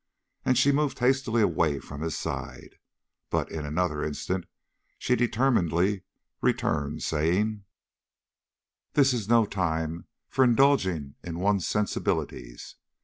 And she moved hastily away from his side. But in another instant she determinedly returned, saying: "This is no time for indulging in one's sensibilities.